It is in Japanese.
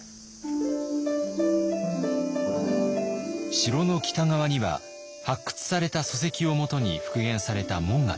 城の北側には発掘された礎石をもとに復元された門が立っています。